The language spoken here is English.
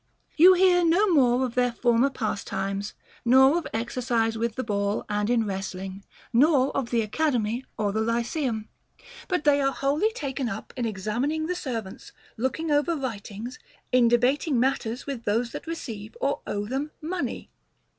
You hear no more of their former pastimes, nor of exercises with the ball and in wrestling, nor of the Academy or the Lyceum : but they are wholly taken up in examining the seivants, looking over writings, in debating matters with those that receive or owe'them money.